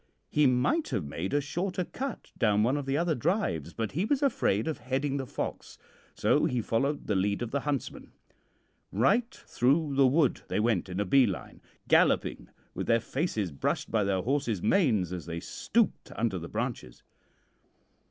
He might have made a shorter cut down one of the other drives, but he was afraid of heading the fox, so he followed the lead of the huntsman. Right through the wood they went in a bee line, galloping with their faces brushed by their horses' manes as they stooped under the branches.